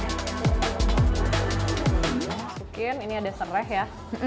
masukin ini ada serai ya